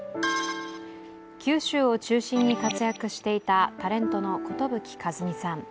九州を中心に活躍していたタレントの寿一実さん。